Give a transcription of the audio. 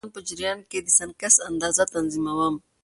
زه د ورځني ژوند په جریان کې د سنکس اندازه تنظیموم.